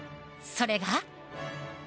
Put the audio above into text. それが。